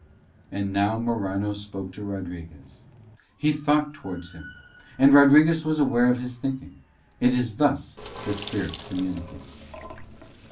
And now Morano spoke to Rodriguez. He thought towards him, and Rodriguez was aware of his thinking: it is thus that spirits communicate.